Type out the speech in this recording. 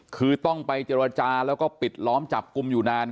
คือต้องไปเจรจาแล้วก็ปิดล้อมจับกลุ่มอยู่นาน